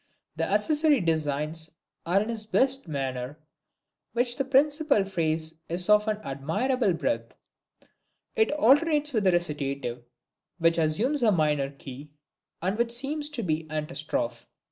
The accessory designs are in his best manner, while the principal phrase is of an admirable breadth. It alternates with a Recitative, which assumes a minor key, and which seems to be its Antistrophe.